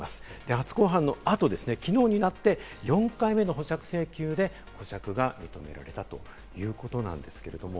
初公判のあと、きのうになって、４回目の保釈請求で保釈が認められたということなんですけれども。